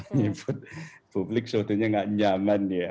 menyebut publik sebetulnya nggak nyaman ya